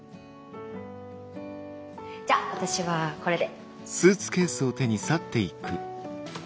じゃあ私はこれで。